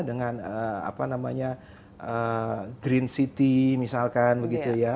dengan apa namanya green city misalkan begitu ya